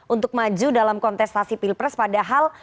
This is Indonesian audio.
untuk maju dalam kontestasi pilpres padahal